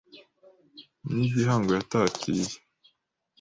N'igihango yatatiye